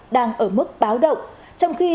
đang ở mức báo động trong khi